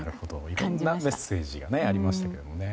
いろんなメッセージがありましたね。